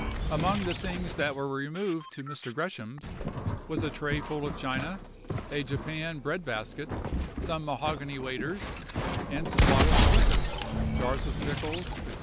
"Among the things that were removed to Mr. Gresham's, was a tray full of china, a japan bread basket, some mahogany waiters, with some bottles of liquors, jars of pickles, &c.